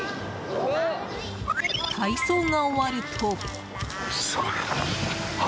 体操が終わると。